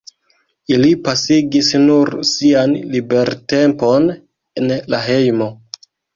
Ili pasigis nur sian libertempon en la hejmo.